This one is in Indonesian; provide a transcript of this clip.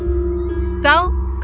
dia menggunakan kata kata yang baik